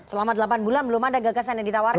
selama delapan bulan belum ada gagasan yang ditawarkan